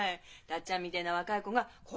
達ちゃんみてえな若い子がこだ